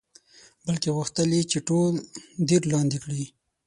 بلکې غوښتل یې چې ټول دیر لاندې کړي.